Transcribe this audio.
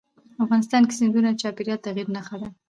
افغانستان کې سیندونه د چاپېریال د تغیر نښه ده.